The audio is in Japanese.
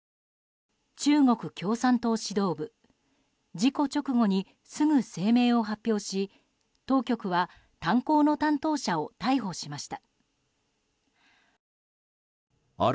中国共産党指導部事故直後に、すぐ声明を発表し当局は、炭鉱の担当者を逮捕しました。